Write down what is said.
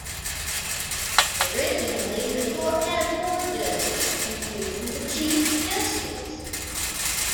Originally, the Court had four judges, including the Chief Justice.